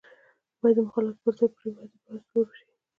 باید د مخالفت پر ځای یې پر ودې زور وشي.